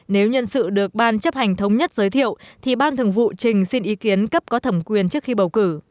nếu nhân sự được ban chấp hành thống nhất giới thiệu thì ban thường vụ trình xin ý kiến cấp có thẩm quyền trước khi bầu cử